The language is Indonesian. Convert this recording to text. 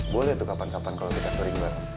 boleh tuh kapan kapan kalau kita sering bareng